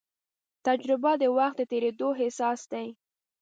تجربه د وخت د تېرېدو احساس دی.